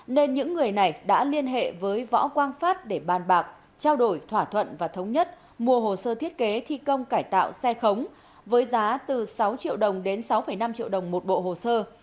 nên những người này đã liên hệ với võ quang phát để bàn bạc trao đổi thỏa thuận và thống nhất mua hồ sơ thiết kế thi công cải tạo xe khống với giá từ sáu triệu đồng đến sáu năm triệu đồng một bộ hồ sơ